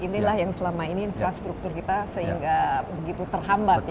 inilah yang selama ini infrastruktur kita sehingga begitu terhambat ya